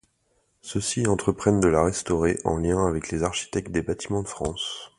Ceux-ci entreprennent de la restaurer en lien avec les architectes des bâtiments de France.